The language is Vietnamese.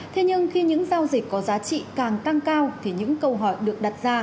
thế nhưng khi những giao dịch có giá trị càng tăng cao thì những câu hỏi được đặt ra